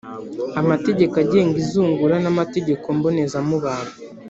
amategeko agenga izungura n’amategeko mbonezamubano,